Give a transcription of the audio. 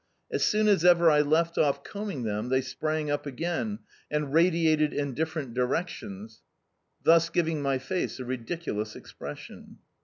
As soon as ever I left off combing them, they sprang up again and radiated in different directions, thus giving my face a ridiculous expression.